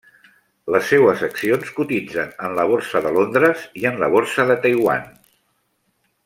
Les seues accions cotitzen en la Borsa de Londres i en la Borsa de Taiwan.